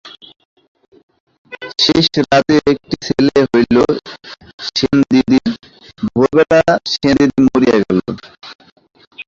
শেষ রাত্রে একটি ছেলে হইল সেনদিদির, ভোরবেলা সেনদিদি মরিয়া গেল।